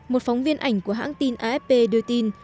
một phóng viên ảnh của hãng tin afp đưa tin